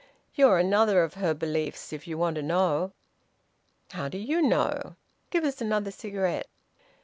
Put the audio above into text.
You're another of her beliefs, if you want to know." "How do you know? Give us another cigarette."